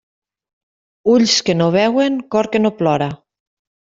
Ulls que no veuen, cor que no plora.